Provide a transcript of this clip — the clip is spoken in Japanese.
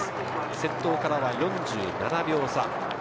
先頭からは４７秒差。